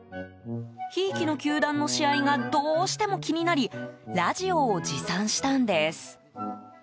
ひいきの球団の試合がどうしても気になりラジオを持参したんです。